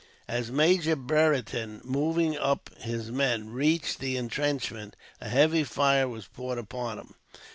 As Major Brereton, moving up his men, reached the intrenchment, a heavy fire was poured upon him.